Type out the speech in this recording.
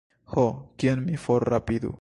Ho, kien mi forrapidu?